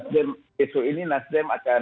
besok ini nasdem akan